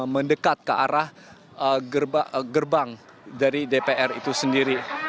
mendekat ke arah gerbang dari dpr itu sendiri